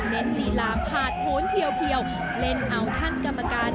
เน้นลีลาผาดโผนเพี่ยวเล่นเอาขั้นกรรมการ